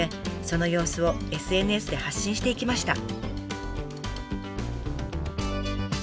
その様子をＳＮＳで発信していきました。